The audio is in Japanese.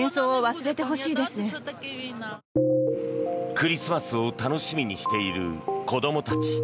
クリスマスを楽しみにしている子供たち。